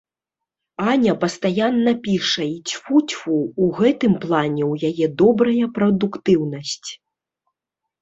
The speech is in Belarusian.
Аня пастаянна піша, і, цьфу-цьфу, у гэтым плане ў яе добрая прадуктыўнасць.